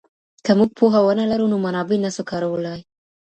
که موږ پوهه ونه لرو نو منابع نسو کارولای.